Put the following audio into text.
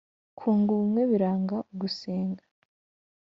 Kunga ubumwe biranga ugusenga